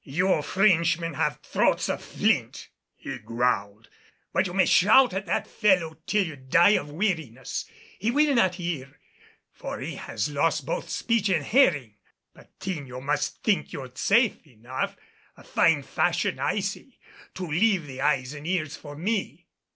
"You Frenchmen have throats of flint," he growled, "but you may shout at that fellow till you die of weariness and he will not hear, for he has lost both speech and hearing. Patiño must think you safe enough. A fine fashion, I say, to leave the eyes and ears for me."